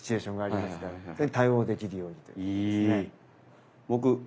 それに対応できるようにということですね。